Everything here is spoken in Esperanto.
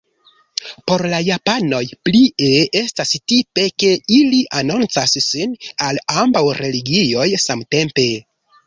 Por la japanoj plie estas tipe, ke ili anoncas sin al ambaŭ religioj samtempe.